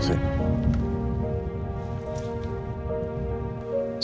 saya harus selalu ada buat ibu